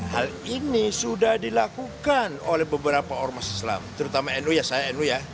hal ini sudah dilakukan oleh beberapa ormas islam terutama nu ya saya nu ya